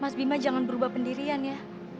mas bima jangan berubah pendirian ya